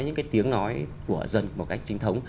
và những tiếng nói của dân một cách trinh thống